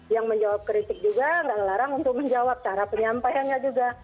yang menjawab kritik juga nggak ngelarang untuk menjawab cara penyampaiannya juga